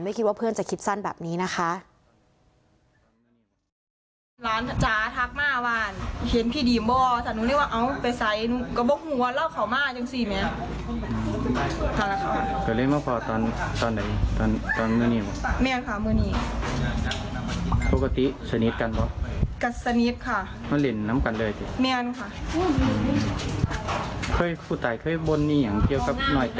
คิดว่าเพื่อนจะคิดสั้นแบบนี้นะคะ